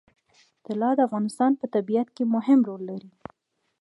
طلا د افغانستان په طبیعت کې مهم رول لري.